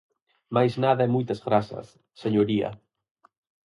Máis nada e moitas grazas, señoría.